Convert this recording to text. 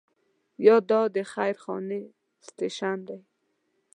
یا دا د خیر خانې سټیشن دی.